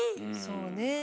そうね。